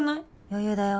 余裕だよ。